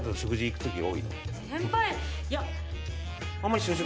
いや。